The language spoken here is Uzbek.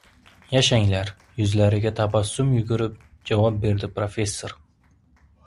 – Yashanglar! – yuzlariga tabassum yugurib javob berdi professor.